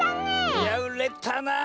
いやうれたな！